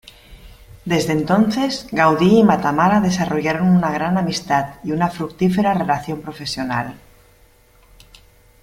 Desde entonces Gaudí y Matamala desarrollaron una gran amistad y una fructífera relación profesional.